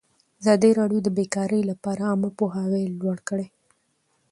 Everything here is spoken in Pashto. ازادي راډیو د بیکاري لپاره عامه پوهاوي لوړ کړی.